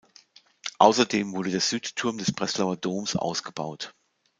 Außerdem wurde der Südturm des Breslauer Doms ausgebaut.